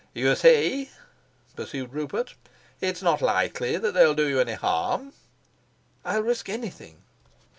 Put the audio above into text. "You see," pursued Rupert, "it's not likely that they'll do you any harm." "I'll risk anything."